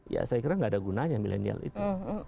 ya saya kira nggak ada gunanya milenial itu